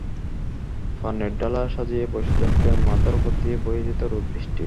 পানের ডালা সাজিয়ে বসে থাকতেন, মাথার ওপর দিয়ে বয়ে যেত রোদ-বৃষ্টি।